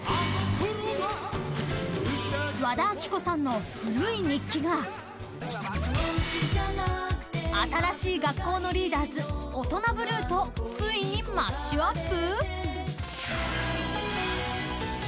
和田アキ子さんの「古い日記」が新しい学校のリーダーズ「オトナブルー」とついにマッシュアップ？